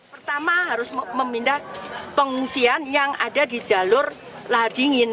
pertama harus memindah pengungsian yang ada di jalur lahar dingin